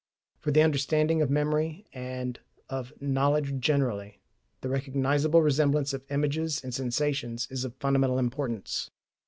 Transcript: For the understanding of memory, and of knowledge generally, the recognizable resemblance of images and sensations is of fundamental importance.